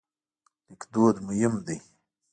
لیکدود مهم دی.